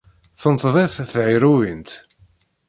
Tenṭeḍ-it thiṛuwint.